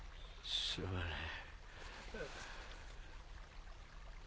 すまねえ。